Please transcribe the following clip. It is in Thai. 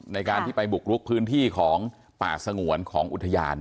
ในการที่ไปบุกลุกพื้นที่ของป่าสงวนของอุทยาน